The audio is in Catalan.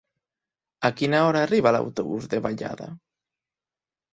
A quina hora arriba l'autobús de Vallada?